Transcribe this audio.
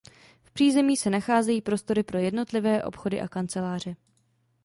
V přízemí se nacházejí prostory pro jednotlivé obchody a kanceláře.